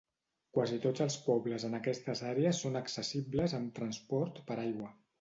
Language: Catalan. Quasi tots els pobles en aquestes àrees són accessibles amb transport per aigua.